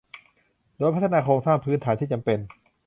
โดยพัฒนาโครงสร้างพื้นฐานที่จำเป็น